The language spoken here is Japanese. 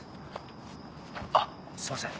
あっすいません